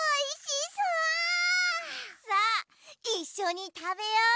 さあいっしょにたべよう！